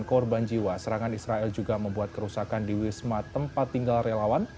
korban jiwa serangan israel juga membuat kerusakan di wisma tempat tinggal relawan